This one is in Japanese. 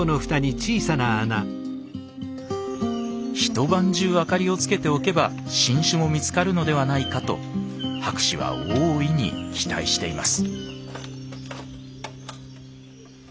一晩中明かりをつけておけば新種も見つかるのではないかと博士は大いに期待しています。